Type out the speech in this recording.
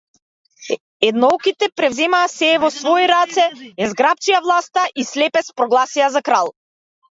Еднооките преземаа сѐ во свои раце, ја зграпчија власта и слепец прогласија за крал.